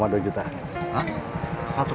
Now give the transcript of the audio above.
pakcik ada apa pakcik